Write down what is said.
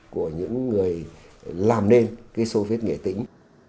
của những người làm nên cái soviet nghĩa tính